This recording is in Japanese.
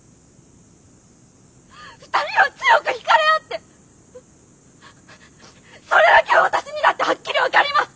２人は強く惹かれ合ってそれだけは私にだってはっきり分かります！